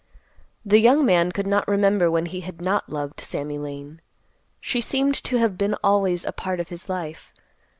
The young man could not remember when he had not loved Sammy Lane. She seemed to have been always a part of his life.